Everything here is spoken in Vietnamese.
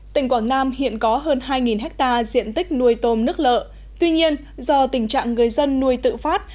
tỉnh quảng nam hiện có hơn hai ha diện tích nuôi tôm nước lợ tuy nhiên do tình trạng người dân nuôi tự phát